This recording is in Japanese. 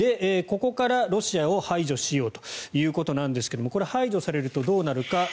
ここからロシアを排除しようということなんですが排除されるとどうなるか。